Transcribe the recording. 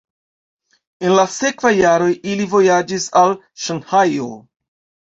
En la sekvaj jaroj ili vojaĝis al Ŝanhajo.